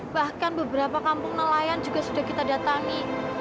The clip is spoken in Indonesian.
bahkan beberapa kampung nelayan juga sudah kita datangi